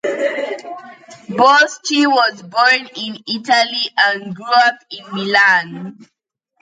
Boschi was born in Italy and grew up in Milan.